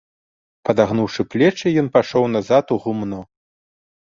Падагнуўшы плечы, ён пайшоў назад у гумно.